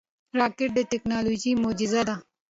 راکټ د ټکنالوژۍ معجزه ده